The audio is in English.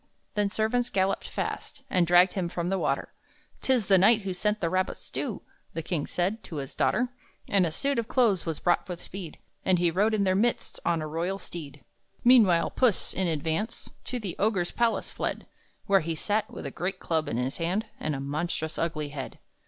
Then servants galloped fast, And dragged him from the water. "'Tis the knight who sent the rabbit stew," The king said, to his daughter. And a suit of clothes was brought with speed, And he rode in their midst, on a royal steed. Meanwhile Puss, in advance, To the Ogre's palace fled, Where he sat, with a great club in his hand, And a monstrous ugly head.